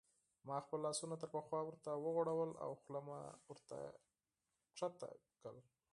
ما خپل لاسونه تر پخوا ورته وغوړول او خوله مې ورته کښته کړل.